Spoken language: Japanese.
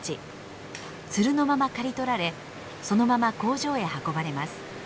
ツルのまま刈り取られそのまま工場へ運ばれます。